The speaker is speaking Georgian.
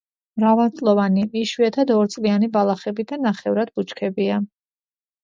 მრავალწლოვანი, იშვიათად ორწლიანი ბალახები და ნახევრად ბუჩქებია.